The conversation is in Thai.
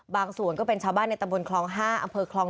ส่วนก็เป็นชาวบ้านในตำบลคลอง๕อำเภอคลอง